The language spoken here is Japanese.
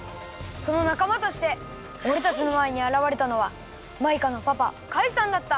そのなかまとしておれたちのまえにあらわれたのはマイカのパパカイさんだった！